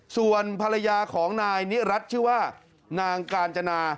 ส่วนภรรยาของนายนิรัติชื่อว่านางกาญจนา